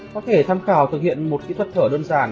có thể tham khảo thực hiện một kỹ thuật thở đơn giản